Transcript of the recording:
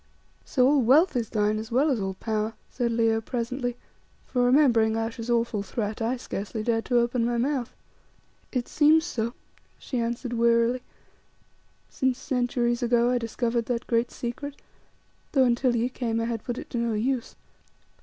"So all wealth is thine, as well as all power," said Leo, presently, for remembering Ayesha's awful threat I scarcely dared to open my mouth. "It seems so," she answered wearily, "since centuries ago I discovered that great secret, though until ye came I had put it to no use.